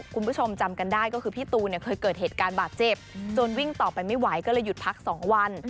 คุณผู้ชมจำกันได้ก็คือพี่ตูนเนี่ยเคยเกิดเหตุการณ์บาดเจ็บจนวิ่งต่อไปไม่ไหวก็เลยหยุดพัก๒วัน